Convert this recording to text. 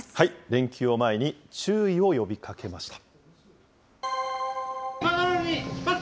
連休を前に、注意を呼びかけました。